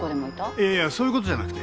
いやいやそういうことじゃなくて。